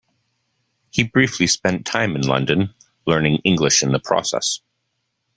He briefly spent time in London, learning English in the process.